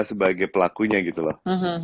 sebagai pelakunya gitu loh